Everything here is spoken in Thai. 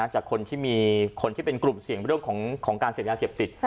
จากคนที่มีคนที่เป็นกลุ่มเสี่ยงเรื่องของการเสพยาเสพติด